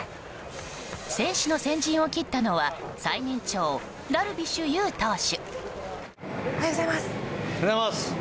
選手の先陣を切ったのは最年長ダルビッシュ有投手。